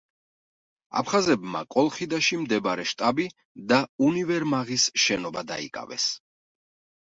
აფხაზებმა კოლხიდაში მდებარე შტაბი და უნივერმაღის შენობა დაიკავეს.